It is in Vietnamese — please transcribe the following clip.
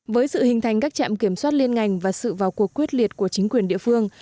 với sự hình thành các trạm kiểm soát liên ngành và sự vào cuộc quyết liệt của chính quyền địa phương